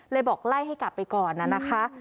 บอกไล่ให้กลับไปก่อนนะคะ